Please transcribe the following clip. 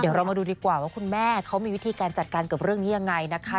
เดี๋ยวเรามาดูดีกว่าว่าคุณแม่เขามีวิธีการจัดการกับเรื่องนี้ยังไงนะคะ